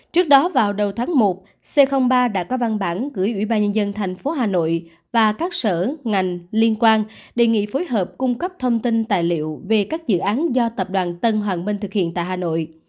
trước đó vào đầu tháng một c ba đã có văn bản gửi ủy ban nhân dân thành phố hà nội và các sở ngành liên quan đề nghị phối hợp cung cấp thông tin tài liệu về các dự án do tập đoàn tân hoàng minh thực hiện tại hà nội